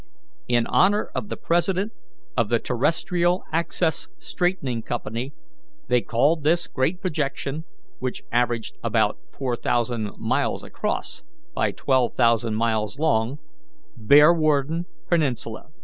In honour of the President of the Terrestrial Axis Straightening Company, they called this great projection, which averaged about four thousand miles across by twelve thousand miles long, Bearwarden Peninsula.